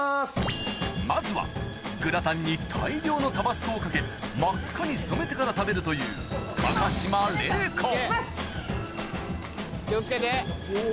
まずはグラタンに大量のタバスコをかけ真っ赤に染めてから食べるという気を付けて。